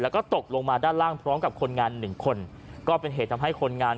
แล้วก็ตกลงมาด้านล่างพร้อมกับคนงานหนึ่งคนก็เป็นเหตุทำให้คนงาน